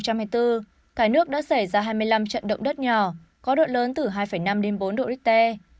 cả nước đã xảy ra hai mươi năm trận động đất nhỏ có độ lớn từ hai năm đến bốn độ richter